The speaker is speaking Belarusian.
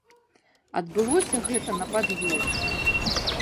Адбылося гэта на пад'ёме.